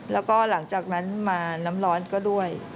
แล้วก็หลังจากนั้นมาน้ำร้อนก็ด้วย